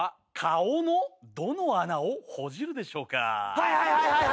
はいはいはいはい。